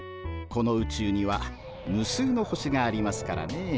この宇宙には無数の星がありますからねえ。